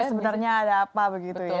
sebenarnya ada apa begitu ya